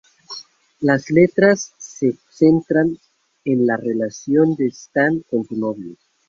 Las letras se centran en la relación de Stan con su novio.